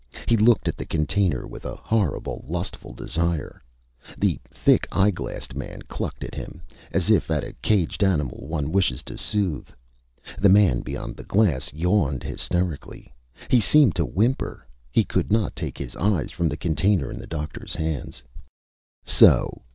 He looked at the container with a horrible, lustful desire. The thick eyeglassed man clucked at him, as if at a caged animal one wishes to soothe. The man beyond the glass yawned hysterically. He seemed to whimper. He could not take his eyes from the container in the doctor's hands. "So!"